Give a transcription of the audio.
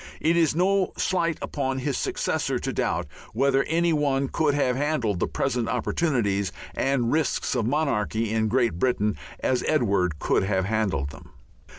It is no slight upon his successor to doubt whether any one could have handled the present opportunities and risks of monarchy in Great Britain as Edward could have handled them.